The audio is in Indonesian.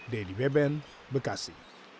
dedy beben bekasi